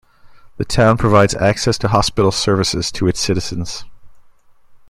The town provides access to hospital services to its citizens.